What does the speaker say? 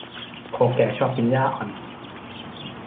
โคแก่ชอบกินหญ้าอ่อน